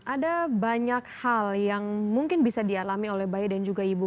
ada banyak hal yang mungkin bisa dialami oleh bayi dan juga ibu